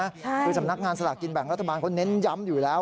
คือสำนักงานสลากกินแบ่งรัฐบาลเขาเน้นย้ำอยู่แล้ว